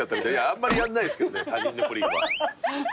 あんまりやんないすけどね他人のプリンは。